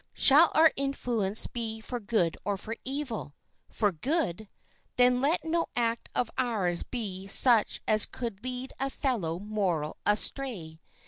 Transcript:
Shall our influence be for good or for evil? For good? Then let no act of ours be such as could lead a fellow mortal astray.